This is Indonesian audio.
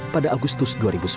pada agustus dua ribu sepuluh